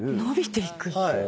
はい。